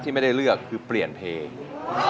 ไม่ได้เลือกคือเปลี่ยนเพลง